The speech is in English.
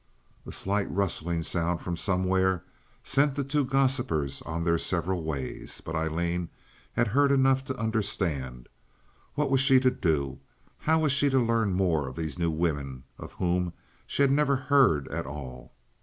A slight rustling sound from somewhere sent the two gossipers on their several ways, but Aileen had heard enough to understand. What was she to do? How was she to learn more of these new women, of whom she had never heard at all?